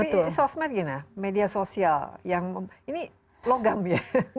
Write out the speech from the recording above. tapi sosmed gimana media sosial yang ini logam ya